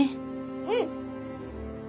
うん！